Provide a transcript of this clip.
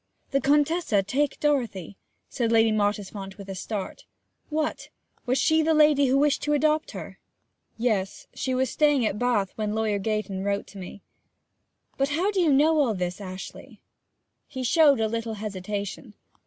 'The Contessa take Dorothy?' said Lady Mottisfont with a start. 'What was she the lady who wished to adopt her?' 'Yes; she was staying at Bath when Lawyer Gayton wrote to me.' 'But how do you know all this, Ashley?' He showed a little hesitation.